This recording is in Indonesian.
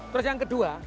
terus yang kedua